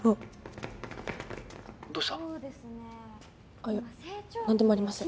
あっ何でもありません。